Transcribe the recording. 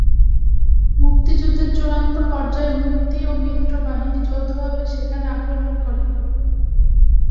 মুক্তিযুদ্ধের চূড়ান্ত পর্যায়ে মুক্তি ও মিত্র বাহিনী যৌথভাবে সেখানে আক্রমণ করে।